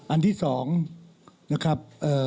อันที่๒นะครับ